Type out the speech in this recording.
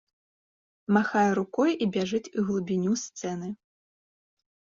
Махае рукой і бяжыць у глыбіню сцэны.